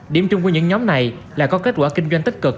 điểm chung của những nhóm này là có kết quả kinh doanh tích cực